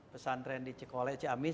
pesantren di cekole ciamis